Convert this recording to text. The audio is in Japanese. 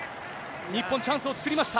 日本、チャンスを作りました。